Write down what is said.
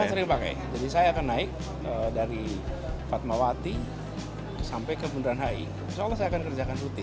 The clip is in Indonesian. sering pakai jadi saya akan naik dari fatmawati sampai ke bundaran hi insya allah saya akan kerjakan rutin